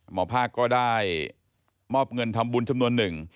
หมอภาคก็ได้มอบเงินทำบุญจำนวนหนึ่ง